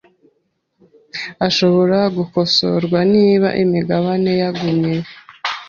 ashobora gukosorwa niba imigabane yagumyeyo